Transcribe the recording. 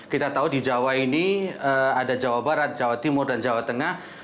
kita tahu di jawa ini ada jawa barat jawa timur dan jawa tengah